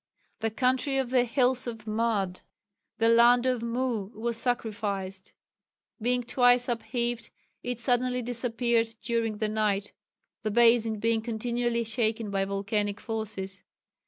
The country of the hills of mud, the land of Mu was sacrificed: being twice upheaved it suddenly disappeared during the night, the basin being continually shaken by volcanic forces.